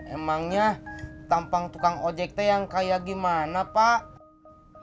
emangnya tampang tukang ojek teh yang kayak gimana pak